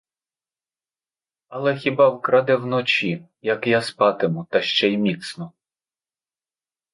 Але хіба вкраде вночі, як я спатиму та ще й міцно.